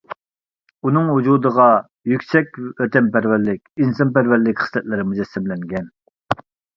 ئۇنىڭ ۋۇجۇدىغا يۈكسەك ۋەتەنپەرۋەرلىك، ئىنسانپەرۋەرلىك خىسلەتلىرى مۇجەسسەملەنگەن.